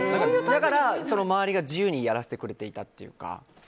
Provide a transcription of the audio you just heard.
だから、周りが自由にやらせてくれていたというか。